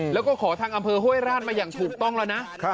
แล้วก็ขอทางอำเภอห้วยราชมาอย่างถูกต้องแล้วนะ